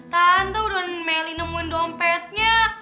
tante udah meli nemuin dompetnya